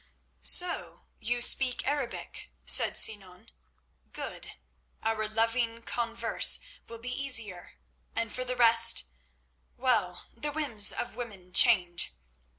"So you speak Arabic," said Sinan. "Good; our loving converse will be easier, and for the rest—well, the whims of women change.